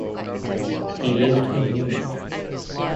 He lived in Munich.